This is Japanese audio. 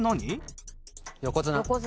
横綱。